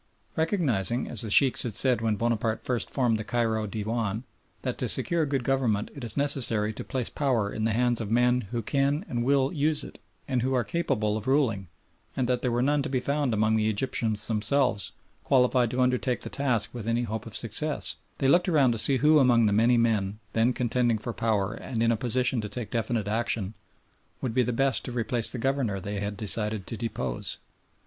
Recognising, as the Sheikhs had said when Bonaparte first formed the Cairo Dewan, that to secure good government it is necessary to place power in the hands of men who can and will use it and who are capable of ruling, and that there were none to be found among the Egyptians themselves qualified to undertake the task with any hope of success, they looked around to see who among the many men then contending for power and in a position to take definite action, would be the best to replace the Governor they had decided to depose.